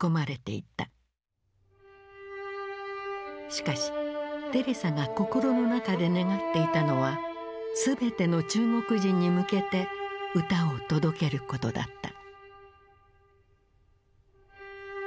しかしテレサが心の中で願っていたのは全ての中国人に向けて歌を届けることだった。